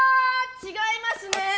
違いますね。